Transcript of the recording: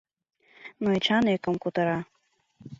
Но Эчан ӧкым кутыра.